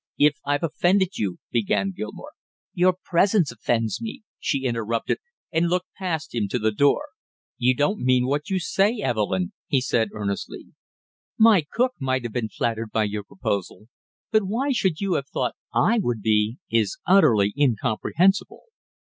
"If I've offended you " began Gilmore. "Your presence offends me," she interrupted and looked past him to the door. "You don't mean what you say Evelyn " he said earnestly. "My cook might have been flattered by your proposal; but why you should have thought I would be, is utterly incomprehensible."